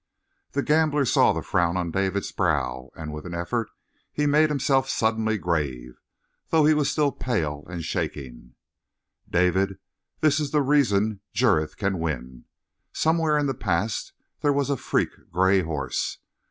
The gambler saw the frown on David's brow, and with an effort he made himself suddenly grave, though he was still pale and shaking. "David, this is the reason Jurith can win. Somewhere in the past there was a freak gray horse.